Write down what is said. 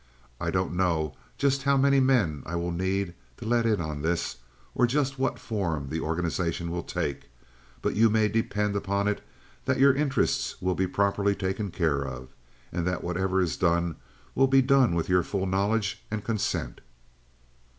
I don't know just how many men I will need to let in on this, or just what form the organization will take. But you may depend upon it that your interests will be properly taken care of, and that whatever is done will be done with your full knowledge and consent."